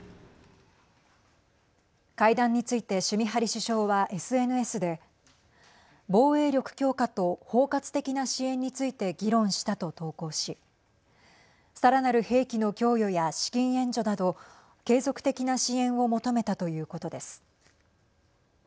会談についてシュミハリ首相は、ＳＮＳで防衛力強化と包括的な支援について議論したと投稿しさらなる兵器の供与や資金援助など継続的な支援を求めたということです。